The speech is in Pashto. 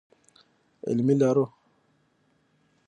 علمي لارو ختمې نه کړو.